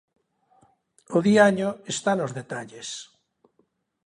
O diaño está nos detalles.